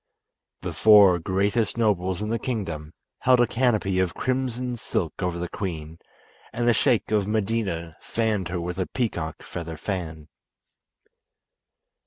The four greatest nobles in the kingdom held a canopy of crimson silk over the queen, and the Sheik of Medina fanned her with a peacock feather fan.